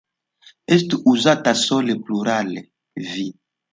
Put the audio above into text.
Estu uzata sole plurale "vi".